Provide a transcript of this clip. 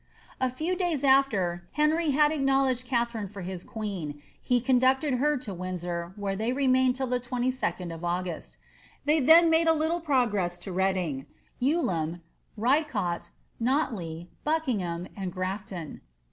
A few days after Henry had acknowledged Katharine for his queen, he conducted her to Windsor, where they lenuiined till the 2tid of August They then made a little progress to Reading, Ewelm, RycoU, Notley, Buckingham, and Grafton.